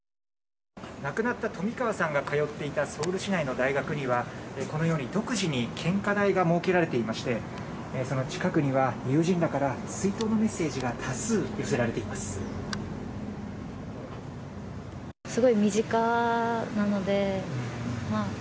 亡くなった冨川さんが通っていたソウル市内の大学にはこのように独自に献花台が設けられていましてその近くには友人らから追悼のメッセージが多数寄せられています。